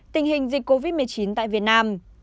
tình hình dịch covid một mươi chín tại việt nam